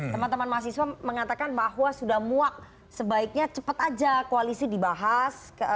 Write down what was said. teman teman mahasiswa mengatakan bahwa sudah muak sebaiknya cepat aja koalisi dibahas